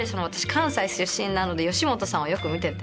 関西出身なので吉本さんをよく見てて。